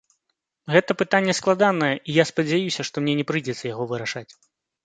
Гэта пытанне складанае, і я спадзяюся, што мне не прыйдзецца яго вырашаць.